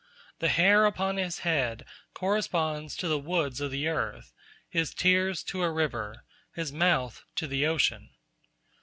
The hair upon his head corresponds to the woods of the earth, his tears to a river, his mouth to the ocean.